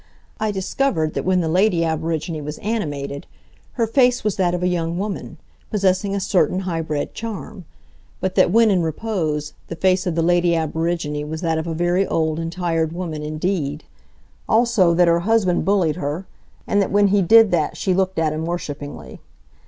I discovered that when the lady aborigine was animated, her face was that of a young woman, possessing a certain high bred charm, but that when in repose the face of the lady aborigine was that of a very old and tired woman indeed. Also that her husband bullied her, and that when he did that she looked at him worshipingly.